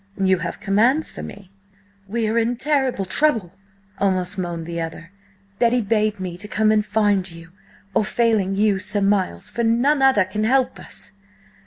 "You have commands for me?" "We are in terrible trouble," almost moaned the other. "Betty bade me come to find you, or failing you, Sir Miles, for none other can help us!"